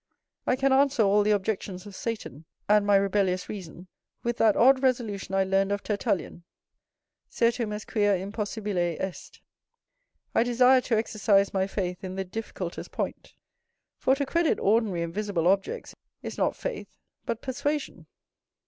I can answer all the objections of Satan and my rebellious reason with that odd resolution I learned of Tertullian, "Certum est quia impossibile est." I desire to exercise my faith in the difficultest point; for, to credit ordinary and visible objects, is not faith, but persuasion.